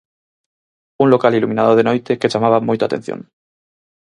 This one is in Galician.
Un local iluminado de noite que chamaba moito a atención.